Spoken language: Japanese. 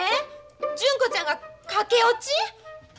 純子ちゃんが駆け落ち？